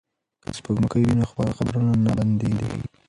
که سپوږمکۍ وي نو خپرونه نه بندیږي.